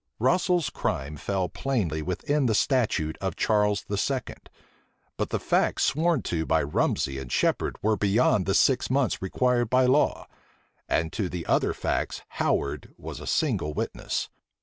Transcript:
Russel's crime fell plainly within the statute of Charles II.; but the facts sworn to by Rumsey and Shephard were beyond the six months required by law, and to the other facts Howard was a single witness.